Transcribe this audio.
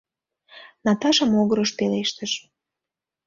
— Наташа могырыш пелештыш.